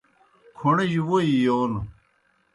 کھْوݨِجیْ ووئی یون